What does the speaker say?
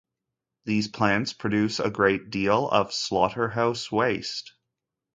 These plants produce a great deal of slaughterhouse waste.